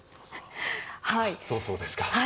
そろそろですか。